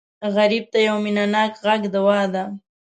غریب ته یو مینهناک غږ دوا ده